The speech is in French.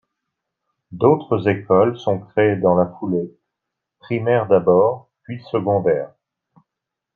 D'autres écoles sont créées dans la foulée, primaires d'abord, puis secondaires.